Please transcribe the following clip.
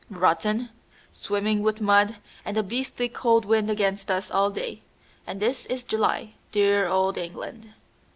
"Rotten; swimming with mud, and a beastly cold wind against us all day. And this is July. Dear old England!"